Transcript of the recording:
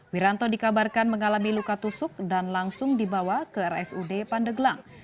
wiranto dikabarkan mengalami luka tusuk dan langsung dibawa ke rsud pandeglang